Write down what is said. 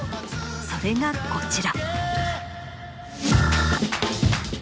それがこちら。